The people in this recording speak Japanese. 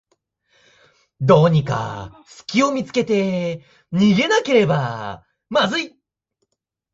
どうにかすきを見つけて逃げなければまずい